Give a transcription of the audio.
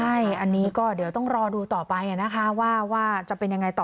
ใช่อันนี้ก็เดี๋ยวต้องรอดูต่อไปนะคะว่าจะเป็นยังไงต่อ